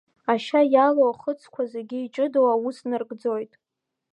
Ашьа иалоу ахыцқәа зегьы иҷыдоу аус наргӡоит.